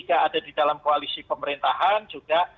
ada di dalam koalisi pemerintahan juga